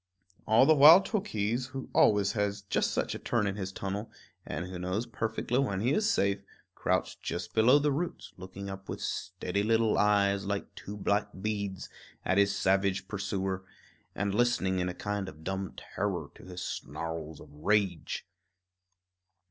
All the while Tookhees, who always has just such a turn in his tunnel, and who knows perfectly when he is safe, crouched just below the roots, looking up with steady little eyes, like two black beads, at his savage pursuer, and listening in a kind of dumb terror to his snarls of rage.